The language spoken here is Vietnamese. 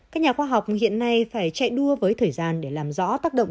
các nhà khoa học hiện nay phải chạy đua với thời gian để làm rõ tác động